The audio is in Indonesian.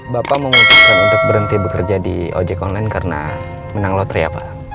bapak memutuskan untuk berhenti bekerja di ojek online karena menang lotri ya pak